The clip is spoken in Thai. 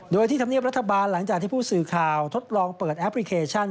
โดยที่ธรรมเนียบรัฐบาลหลังจากที่ผู้สื่อข่าวทดลองเปิดแอปพลิเคชัน